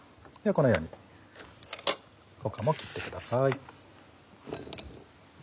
このように他も切ってください。